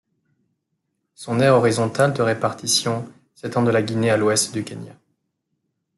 Son aire horizontale de répartition s'étend de la Guinée à l'ouest du Kenya.